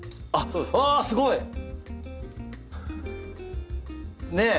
ああすごい！ねえ！